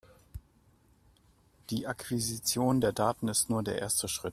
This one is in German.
Die Akquisition der Daten ist nur der erste Schritt.